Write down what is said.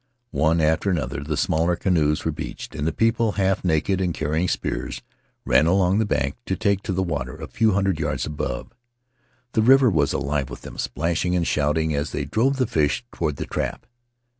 One after another the smaller canoes were beached, and the people, half naked and carrying spears, ran along the bank to take to the water a few hundred yards above. The river was alive with them, splashing and shouting as they drove the fish toward the trap.